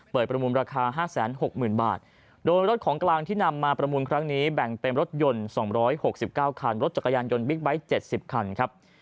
ประมูลราคา๕๖๐๐๐บาทโดยรถของกลางที่นำมาประมูลครั้งนี้แบ่งเป็นรถยนต์๒๖๙คันรถจักรยานยนต์บิ๊กไบท์๗๐คันครับ